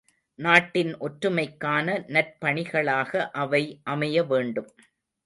நாட்டின் ஒற்றுமைக்கான நற்பணிகளாக அவை அமைய வேண்டும்.